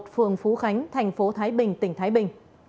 phường phú khánh tp thái bình tỉnh thái bình